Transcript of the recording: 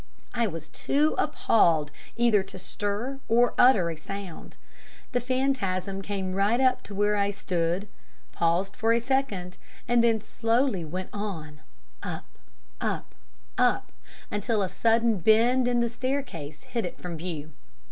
I was too appalled either to stir or utter a sound. The phantasm came right up to where I stood, paused for a second, and then slowly went on; up, up, up, until a sudden bend in the staircase hid it from view.